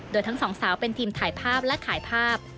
โดยทั้งสองสาวเป็นทีมถ่ายภาพและขายภาพ